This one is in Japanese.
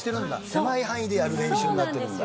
狭い範囲でやる練習になってるんだ。